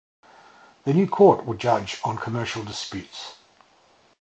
The new court would judge on commercial disputes.